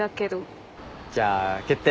じゃあ決定。